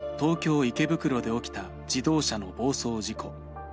３年前、東京・池袋で起きた自動車の暴走事故。